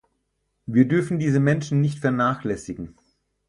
Wir dürfen diese Menschen nicht vernachlässigen.